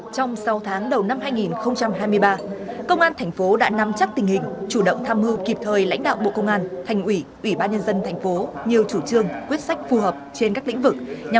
trong sáu tháng đầu năm hai nghìn hai mươi ba công an thành phố đã nắm chắc tình hình chủ động tham mưu kịp thời lãnh đạo bộ công an thành ủy ủy ban nhân dân thành phố nhiều chủ trương quyết sách phù hợp trên các lĩnh vực